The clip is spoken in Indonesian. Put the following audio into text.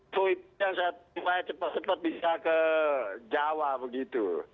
fuih yang saya cepat cepat bisa ke jawa begitu